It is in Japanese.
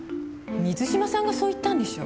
水島さんがそう言ったんでしょ？